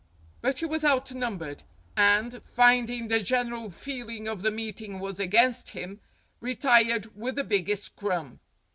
But he was outnumbered, and, finding the general feeling of the meeting was against him, retired with the biggest crumb.